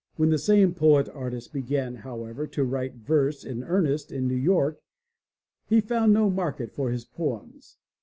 When the same poet artist began, however, to write verse in earnest in New York he found no market for his poems.